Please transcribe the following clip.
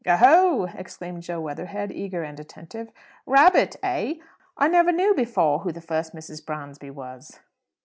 "O ho!" exclaimed Jo Weatherhead, eager and attentive. "Rabbitt, eh? I never knew before who the first Mrs. Bransby was."